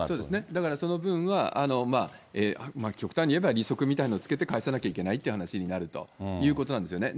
だからその分は、極端に言えば利息みたいなのをつけて、返さなきゃいけないって話になるということなんですね。